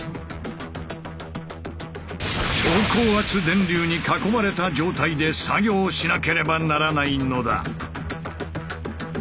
超高圧電流に囲まれた状態で作業しなければならないのだ。